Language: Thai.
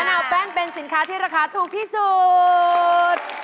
นาวแป้งเป็นสินค้าที่ราคาถูกที่สุด